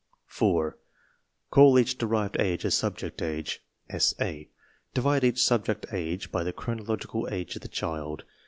IV. Call each derived age a "Subject Age" (SA). Divide each Subject Age by the Chronological Age of the child.